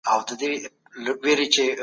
ستاسو ذهن به له تشویشونو څخه خلاص وي.